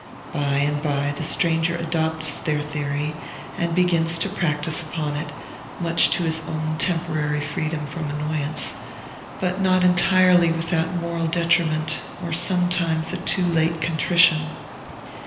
By and by the stranger adopts their theory and begins to practise upon it, much to his own temporary freedom from annoyance, but not entirely without moral detriment or sometimes a too late contrition.